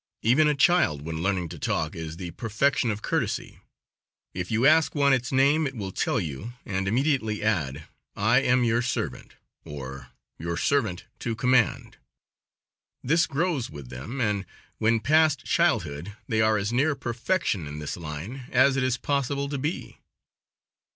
Even a child when learning to talk is the perfection of courtesy. If you ask one its name it will tell you, and immediately add, "I am your servant" or "Your servant to command." This grows with them, and when past childhood they are as near perfection in this line as it is possible to be.